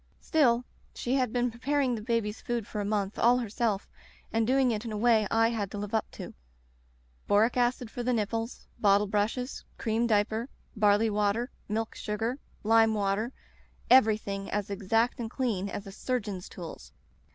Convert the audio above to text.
Still, she had been preparing the baby's food for a month all herself and doing it in a way I had to live up to: boric acid for the nipples, bottle brushes, cream dipper, barley water, milk sugar, lime water — everything as exact and clean as a sur geon's tools.